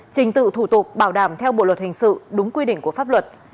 trình tự thủ tục bảo đảm theo bộ luật hình sự đúng quy định của pháp luật